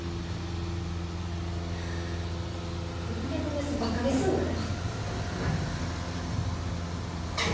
人間のメスバカにすんなよ！